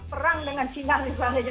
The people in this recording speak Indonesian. perang dengan china misalnya